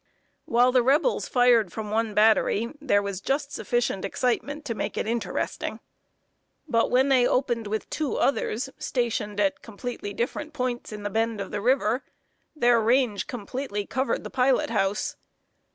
While the Rebels fired from one battery, there was just sufficient excitement to make it interesting; but when they opened with two others, stationed at different points in the bend of the river, their range completely covered the pilot house.